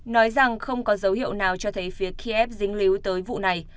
nói rằng không có dấu hiệu nào cho thấy phía kiev dính líu tới vụ này